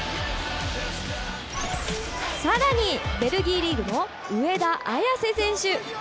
更に、ベルギーリーグの上田綺世選手。